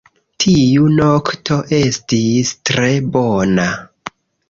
Tiu nokto estis tre bona